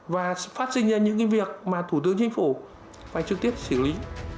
và phát sinh ra những việc mà thủ tướng chính phủ phải trực tiếp xử lý